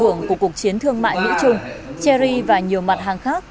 trong cuộc chiến thương mại mỹ trung cherry và nhiều mặt hàng khác